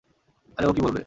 আরে ও কী বলবে।